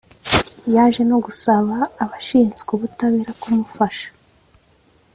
yaje no gusaba abashinzwe ubutabera kumufasha